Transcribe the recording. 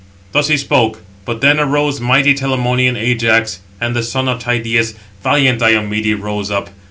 Thus he spoke; but then arose mighty Telamonian Ajax, and the son of Tydeus, valiant Diomede rose up.